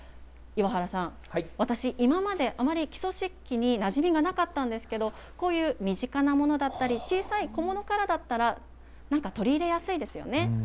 岩原さん、私、今まであまり、木曽漆器になじみがなかったんですけど、こういう身近なものだったり、小さい小物からだったら、なんか取り入れやすいですよね。